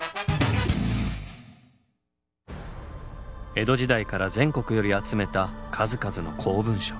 江戸時代から全国より集めた数々の公文書。